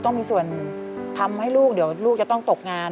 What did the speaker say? ต้องมีส่วนทำให้ลูกเดี๋ยวลูกจะต้องตกงาน